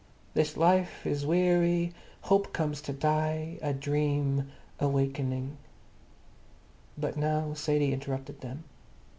This Life is Wee ary, Hope comes to Die. A Dream—a Wa kening. But now Sadie interrupted them.